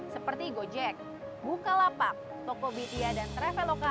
seperti gojek bukalapak tokopedia dan traveloka